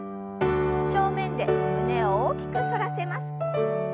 正面で胸を大きく反らせます。